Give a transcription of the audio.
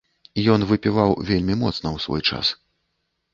Ён выпіваў вельмі моцна ў свой час.